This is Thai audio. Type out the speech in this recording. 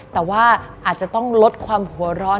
แต่ว่าอาจจะต้องลดความหัวร้อน